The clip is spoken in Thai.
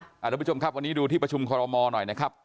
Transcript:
คุณผู้ชมครับวันนี้ดูที่ประชุมคอรมอหน่อยนะครับ